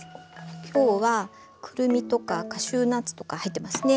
今日はクルミとかカシューナッツとか入ってますね。